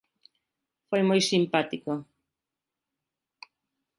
Foi moi simpático.